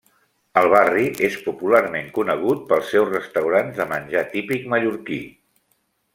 El barri és popularment conegut pels seus restaurants de menjar típic mallorquí.